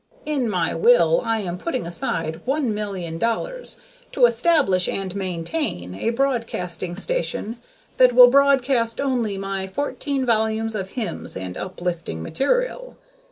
In my will I am putting aside one million dollars to establish and maintain a broadcasting station that will broadcast only my fourteen volumes of hymns and uplifting material.